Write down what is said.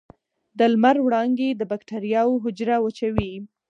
د لمر وړانګې د بکټریاوو حجره وچوي.